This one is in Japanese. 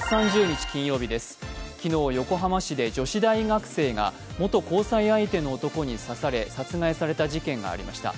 昨日、横浜市で女子大学生が元交際相手の男に刺され、殺害された事件がありました。